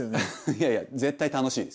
いやいや絶対楽しいです。